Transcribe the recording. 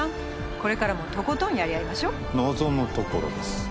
これからもとことんやり合いましょ望むところです